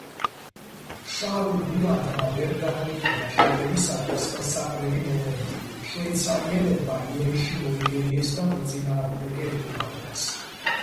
შარლ გულადმა ვერ გამოიყენა შეტევისათვის ხელსაყრელი მომენტი, შვეიცარიელებმა იერიში მოიგერიეს და მოწინააღმდეგე უკუაგდეს.